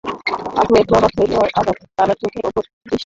অপু একটু অবাক হইল, বাবার চোখের ওরকম দৃষ্টি কখনও সে দেখে নাই।